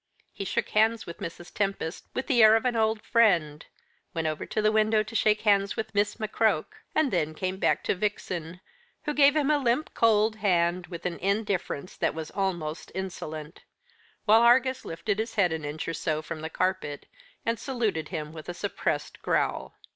He shook hands with Mrs. Tempest with the air of an old friend, went over to the window to shake hands with Miss McCroke, and then came back to Vixen, who gave him a limp cold hand, with an indifference that was almost insolent, while Argus lifted his head an inch or so from the carpet and saluted him with a suppressed growl.